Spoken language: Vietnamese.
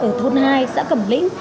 ở thôn hai xã cẩm lĩnh